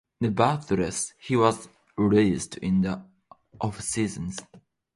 Nevertheless, he was released in the offseason.